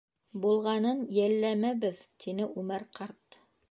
Булғанын йәлләмәбеҙ, — тине Үмәр ҡарт.